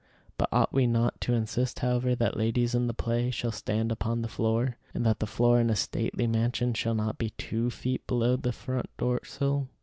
But ought we not to insist, however, that ladies in the play shall stand upon the floor, and that the floor in a stately mansion shall not be two feet below the front door sill?